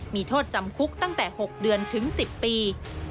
มีโทษจำคุกตั้งแต่๖เดือนถึง๑๐ปี